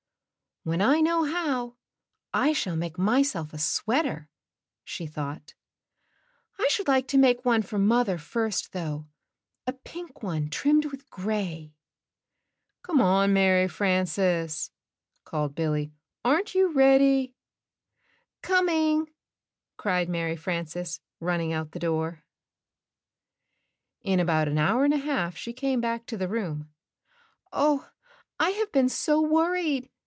J ^ "When I know how, I shall make myself* a sweater," she thought. "I should like to make one for [1591 Tofiind her hat, 160 Knitting and Crocheting Book mother first though — a pink one trimmed with gray." "Come on, Mary Frances," called Billy, "aren't you ready?" "Coming," cried Mary Frances, running out the door. you: In about an hour and a half she came back to the room. "Oh, I have been so worried!"